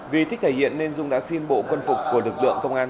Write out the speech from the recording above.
vì thích thể hiện nên dung đã xin bộ quân phục của lực lượng công an